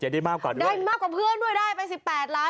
ได้มากกว่าเพื่อนด้วยได้ไป๑๘ล้าน